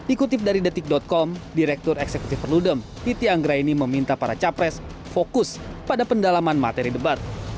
ikutip dari detik com direktur eksekutif perludem titi anggraini meminta para capres fokus pada pendalaman materi debat